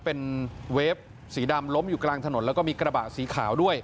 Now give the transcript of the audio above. เป็นเวฟสีดำล้มอยู่กลางถนนแล้วก็มีกระบะสีขาวด้วย